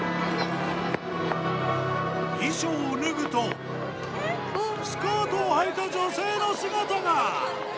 衣装を脱ぐとスカートをはいた女性の姿が！